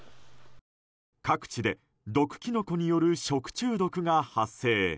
各地で毒キノコによる食中毒が発生。